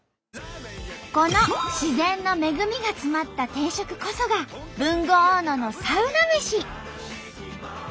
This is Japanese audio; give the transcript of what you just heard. この自然の恵みがつまった定食こそが豊後大野のサウナ飯。